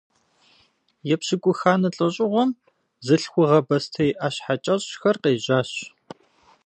Епщыкӏуханэ лӏэщӏыгъуэм бзылъхугъэ бостей ӏэщхьэ кӏэщӏхэр къежьащ.